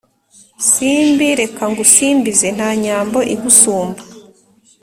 Simbi reka ngusimbize Nta nyambo igusumba